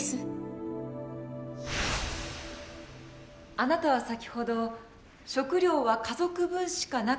あなたは先ほど食料は家族分しかなかったと言いました。